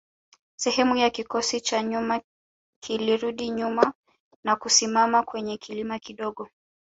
Sehemu ya kikosi cha nyuma kilirudi nyuma na kusimama kwenye kilima kidogo